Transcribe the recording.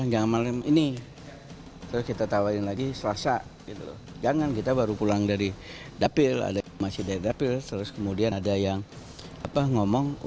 yakni sekitar dua belas maret mendatang